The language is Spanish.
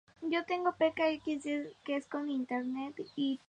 Además, cuenta con áreas habilitadas para el camping y sectores de merienda.